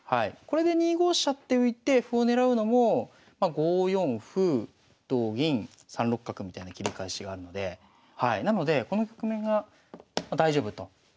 これで２五飛車って浮いて歩を狙うのもま５四歩同銀３六角みたいな切り返しがあるのでなのでこの局面が大丈夫と。